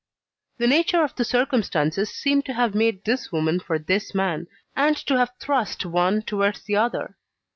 The nature of the circumstances seemed to have made this woman for this man, and to have thrust one towards the other.